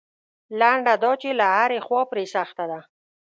لنډه دا چې له هرې خوا پرې سخته ده.